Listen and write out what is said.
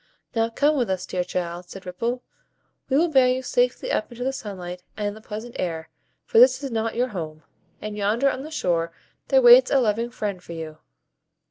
"Now come with us, dear child," said Ripple; "we will bear you safely up into the sunlight and the pleasant air; for this is not your home, and yonder, on the shore, there waits a loving friend for you."